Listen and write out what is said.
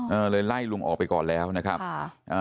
เออเลยไล่ลุงออกไปก่อนแล้วนะครับค่ะอ่า